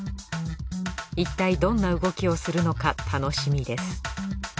いったいどんな動きをするのか楽しみです。